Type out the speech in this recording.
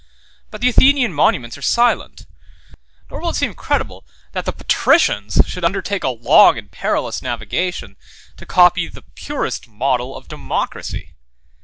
But the Athenian monuments are silent; nor will it seem credible that the patricians should undertake a long and perilous navigation to copy the purest model of democracy.